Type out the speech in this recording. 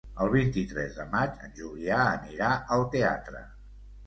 El vint-i-tres de maig en Julià anirà al teatre.